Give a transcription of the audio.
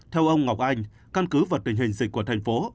theo ông ngọc anh căn cứ vào tình hình dịch của thành phố